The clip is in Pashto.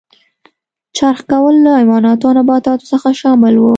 چرخ کول له حیواناتو او نباتاتو څخه شامل و.